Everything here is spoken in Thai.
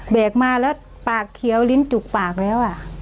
แกกมาแล้วปากเขียวลิ้นจุกปากแล้ว